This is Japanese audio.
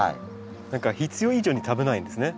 必要以上に食べないんですね。